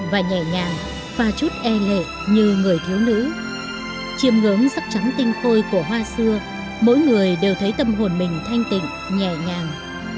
và chút e lệ như người thiếu nữ chiêm ngưỡng sắc trắng tinh khôi của hoa sưa mỗi người đều thấy tâm hồn mình thanh tịnh nhẹ nhàng